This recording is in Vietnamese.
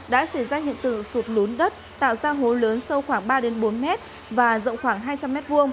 đã xảy ra hiện tượng sụt lún đất tạo ra hố lớn sâu khoảng ba bốn m và rộng khoảng hai trăm linh m hai